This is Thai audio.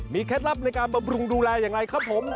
เคล็ดลับในการบำรุงดูแลอย่างไรครับผม